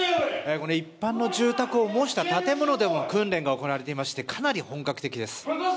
一般の住宅を模した建物でも訓練が行われていましてかなり本格的です。